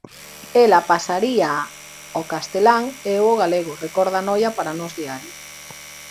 Ela pasaríaa ao castelán e eu ao galego, recorda Noia para Nós Diario.